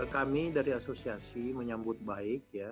kami dari asosiasi menyambut baik ya